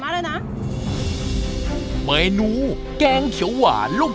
ได้บ้างแกงเขียวหวานค่ะ